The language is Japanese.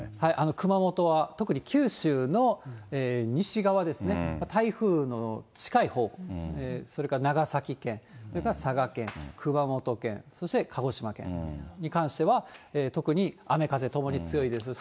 熊本は特に九州の西側ですね、台風の近いほう、それから長崎県、それから佐賀県、熊本県、そして鹿児島県に関しては、特に雨、風ともに強いですし。